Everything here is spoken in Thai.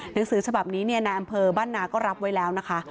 หนังสือฉบับนี้นายอำเภอบ้านนาก็รับไว้แล้วนะคะ